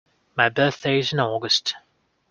My birthday is in August.